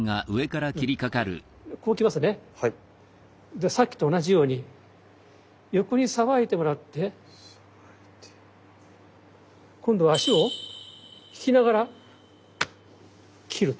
でさっきと同じように横にさばいてもらって今度は足を引きながら斬ると。は。